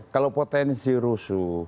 kalau potensi rusuh